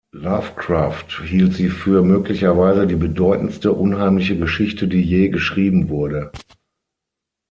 Lovecraft hielt sie „für möglicherweise die bedeutendste unheimliche Geschichte, die je geschrieben wurde“.